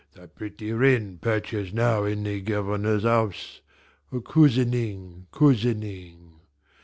The pretty wren perches now in the Governor's house a cousining, a cousining.